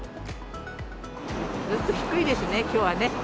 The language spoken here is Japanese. ぐっと低いですね、きょうはね。